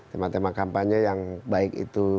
tema tema kampanye yang baik itu